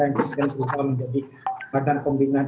yang bisa menjadi badan pembinaan